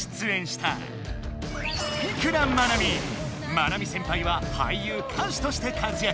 マナミ先輩は俳優歌手として活躍。